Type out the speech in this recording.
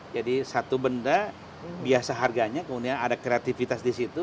jadi satu benda biasa harganya kemudian ada kreatifitas di situ